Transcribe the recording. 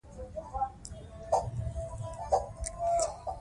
مور د ماشومانو د خوارځواکۍ د مخنیوي لپاره د مختلفو خوړو ورکولو هڅه کوي.